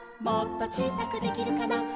「もっとちいさくできるかな」